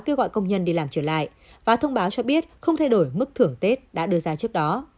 kêu gọi công nhân đi làm trở lại và thông báo cho biết không thay đổi mức thưởng tết đã đưa ra trước đó